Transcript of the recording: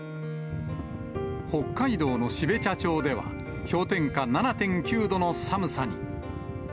北海道の標茶町では、氷点下７．９度の寒さに。